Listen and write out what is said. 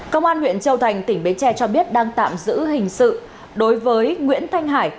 công an huyện châu thành tỉnh bến tre cho biết đang tạm giữ hình sự đối với nguyễn thanh hải